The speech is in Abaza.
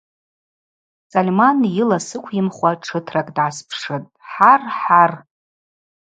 Сольман йыла сыквйымхуа тшытракӏ дгӏаспшын – Хӏар-хӏар.